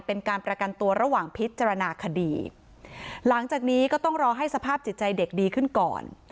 เป็นการประกันตัวระหว่างพิจารณาคดีหลังจากนี้ก็ต้องรอให้สภาพจิตใจเด็กดีขึ้นก่อน